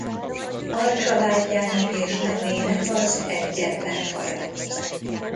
Alcsaládjának és nemének az egyetlen faja.